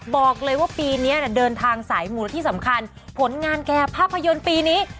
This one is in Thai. บอกเลยว่าปีนี้เดินทางสายหมู่และที่สำคัญผลงานแก่ภาพยนตร์ปีนี้